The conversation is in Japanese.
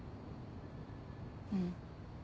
うん。